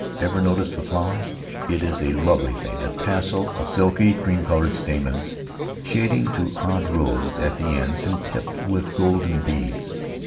Ever notice the flower? It is a lovely thing — a tassel of silky cream colored stamens, shading to old rose at the ends, and tipped with golden beads.